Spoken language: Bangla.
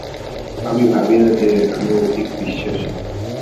আমি ভাবি না যে আমি অধিক-বিশ্বাসী।